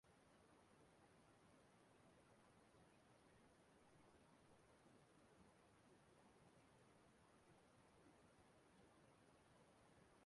Ugbu a bụ oge ị ga-ahụzị nwa agbọghọ ma ọ bụ okorobịa ahụ zuru oke